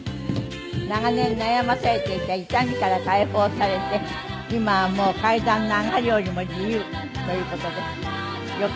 長年悩まされていた痛みから解放されて今はもう階段の上がり下りも自由という事でよかったです。